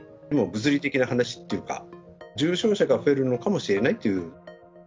物理的な話というか、重症者が増えるのかもしれないっていう。